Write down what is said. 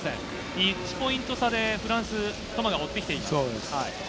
１ポイント差でフランス、トマが追ってきています。